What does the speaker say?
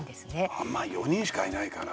まあ４人しかいないから。